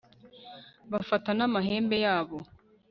bafata n'amahembe yabo